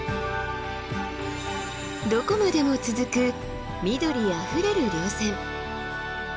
どこまでも続く緑あふれる稜線。